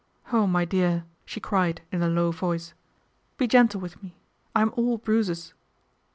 Oh, my dear ! '"she cried in a low voice, " be gentle with me. I'm all bruises."